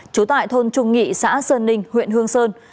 trú tại thôn trung nghị xã sơn ninh huyện hương sơn